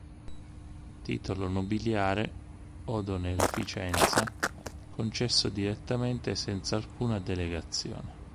Titolo nobiliare, od onorificenza, concesso direttamente, senza alcuna delegazione.